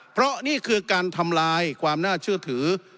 เพราะนี่คือการทำลายความน่าเชื่อถือ